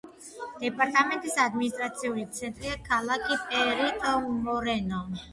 დეპარტამენტის ადმინისტრაციული ცენტრია ქალაქი პერიტო-მორენო.